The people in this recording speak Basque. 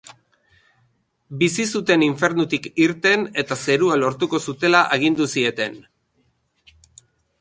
Bizi zuten infernutik irten eta zerua lortuko zutela agindu zieten.